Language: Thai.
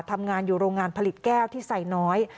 ทำงานอยู่โรงงานผลิตแก้วที่ไซน้อย